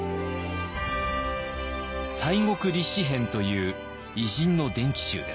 「西国立志編」という偉人の伝記集です。